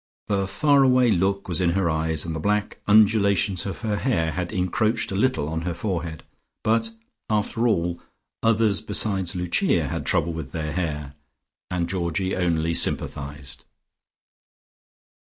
The far away look was in her eyes, and the black undulations of hair had encroached a little on her forehead, but, after all, others besides Lucia had trouble with their hair, and Georgie only sympathized.